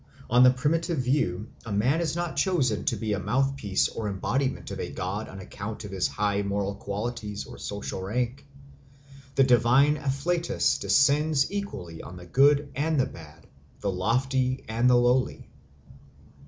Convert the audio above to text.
On the primitive view a man is not chosen to be the mouth piece or embodiment of a god on account of his high moral qualities or social rank. The divine afflatus descends equally on the good and the bad, the lofty and the lowly.